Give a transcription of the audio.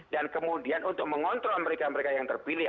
dan kemudian untuk mengontrol mereka mereka yang terpilih